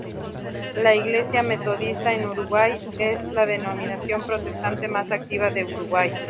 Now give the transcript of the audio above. La iglesia Metodista en Uruguay es la denominación protestante más activa de Uruguay.